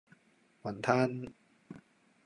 餛飩